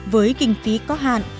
với kinh phí có hạn